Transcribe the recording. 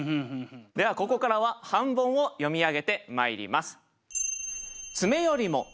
ではここからは半ボンを読み上げてまいります。